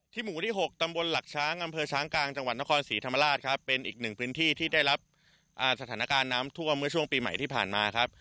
หมู่ที่๖ตำบลหลักช้างอำเภอช้างกลางจังหวัดนครศรีธรรมราชครับเป็นอีกหนึ่งพื้นที่ที่ได้รับสถานการณ์น้ำท่วมเมื่อช่วงปีใหม่ที่ผ่านมาครับ